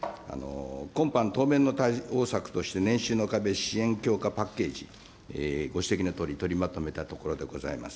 今般、当面の対応策として、年収の壁・支援強化パッケージ、ご指摘のとおり取りまとめたところでございます。